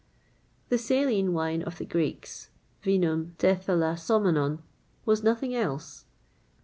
The saline wine of the Greeks (vinum tethalassomenon) was nothing else.